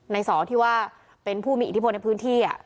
สอที่ว่าเป็นผู้มีอิทธิพลในพื้นที่